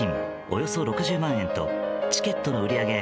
およそ６０万円とチケットの売り上げ